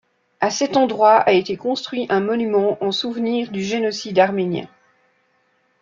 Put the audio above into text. À cet endroit a été construit un monument en souvenir du génocide arménien.